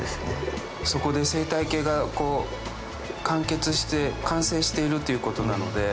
そこで生態系が完結して完成しているということなので。